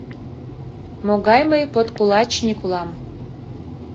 Могай мый подкулачник улам?